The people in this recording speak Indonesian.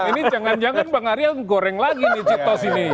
ini jangan jangan bang arya goreng lagi nih ciptos ini